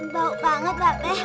bau banget pak be